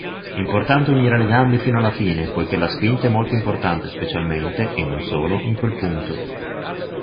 Importante unire le gambe fino alla fine, poiché la spinta è molto importante specialmente (e non solo) in quel punto.